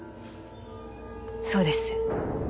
そうです。